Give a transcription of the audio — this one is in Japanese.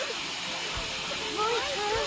モイくん。